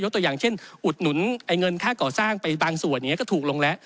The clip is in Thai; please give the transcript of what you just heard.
ตัวอย่างเช่นอุดหนุนเงินค่าก่อสร้างไปบางส่วนก็ถูกลงแล้ว